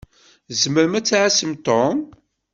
Tzemṛem ad tɛassem Tom?